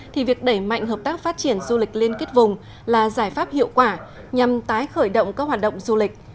thì việc đẩy mạnh hợp tác phát triển du lịch liên kết vùng là giải pháp hiệu quả nhằm tái khởi động các hoạt động du lịch